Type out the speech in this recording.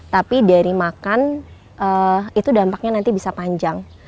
tapi dari makan itu dampaknya nanti bisa panjang